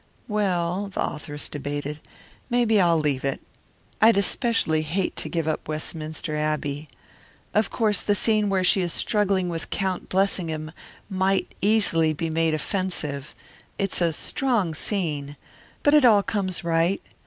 "Well," the authoress debated, "maybe I'll leave it. I'd especially hate to give up Westminster Abbey. Of course the scene where she is struggling with Count Blessingham might easily be made offensive it's a strong scene but it all comes right.